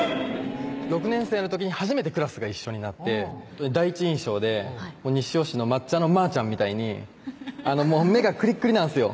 ６年生の時に初めてクラスが一緒になって第一印象で西尾市の抹茶のまーちゃみたいに目がクリックリなんですよ